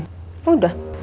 sini udah udah di dengerin